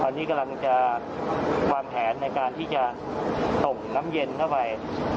ตอนนี้กำลังจะวางแผนในการที่จะส่งน้ำเย็นเข้าไป